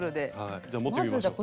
じゃあ持ってみましょう。